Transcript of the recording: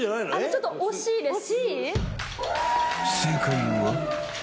ちょっと惜しいです。